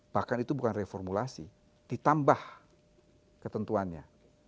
bahkan itu bukan reformulasi ditambah ketentuannya